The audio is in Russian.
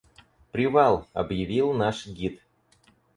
«Привал!» — объявил наш гид.